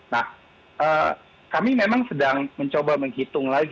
nah kami memang sedang mencoba menghitung lagi